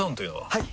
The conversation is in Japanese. はい！